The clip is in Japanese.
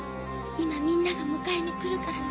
今みんなが迎えに来るからね。